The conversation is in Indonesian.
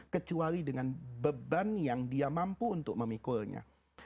kecuali dengan beban yang dia mampu untuk memikulnya